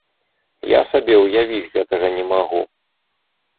Я сабе ўявіць гэтага не магу.